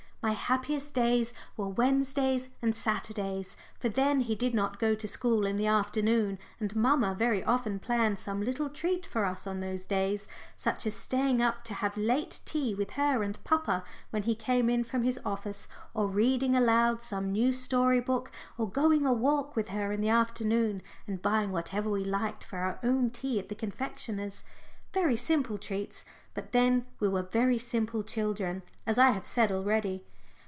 My happiest days were Wednesdays and Saturdays, for then he did not go to school in the afternoon. And mamma very often planned some little treat for us on those days, such as staying up to have late tea with her and papa when he came in from his office, or reading aloud some new story book, or going a walk with her in the afternoon and buying whatever we liked for our own tea at the confectioner's. Very simple treats but then we were very simple children, as I have said already.